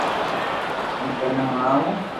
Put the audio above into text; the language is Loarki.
ھون ٿني ھڻاو